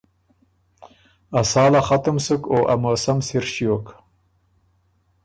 ا ساله ختُم سُک او ا موسم سِر ݭیوک۔